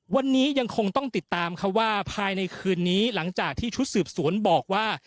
วันนี้ยังคงต้องติดตามค่ะว่าภายในคืนนี้หลังจากที่ชุดสืบสวนบอกว่า